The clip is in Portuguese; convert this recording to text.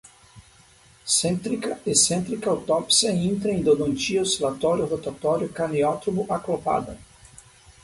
centrica, ecentrica, autopsia, intra, endodontia, oscilatório, rotatório, craniótomo, acoplada